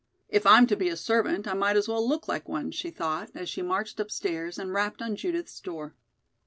"If I'm to be a servant, I might as well look like one," she thought, as she marched upstairs and rapped on Judith's door.